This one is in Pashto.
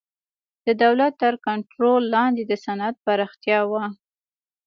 د دولت تر کنټرول لاندې د صنعت پراختیا وه